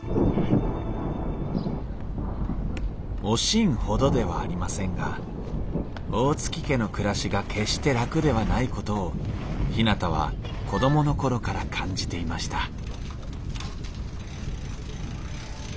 「おしん」ほどではありませんが大月家の暮らしが決して楽ではないことをひなたは子供の頃から感じていました